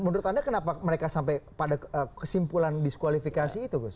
menurut anda kenapa mereka sampai pada kesimpulan diskualifikasi itu gus